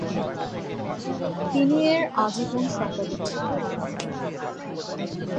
তিনি এর আজীবন সম্পাদক ছিলেন।